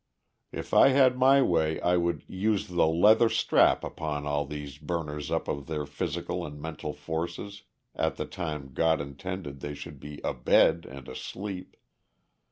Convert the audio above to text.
If I had my way I would "use the leather strap" upon all these burners up of their physical and mental forces at the time God intended they should be abed and asleep.